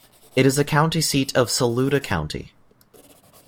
It is the county seat of Saluda County.